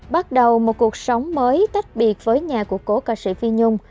bắt đầu một cuộc sống mới tách biệt với nhà của cố ca sĩ phi nhung